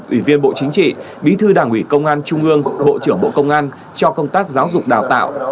ủy viên bộ chính trị bí thư đảng ủy công an trung ương bộ trưởng bộ công an cho công tác giáo dục đào tạo